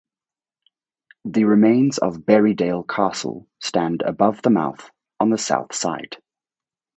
The remains of Berriedale Castle stand above the mouth on the south side.